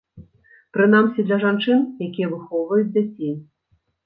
Прынамсі, для жанчын, якія выхоўваюць дзяцей.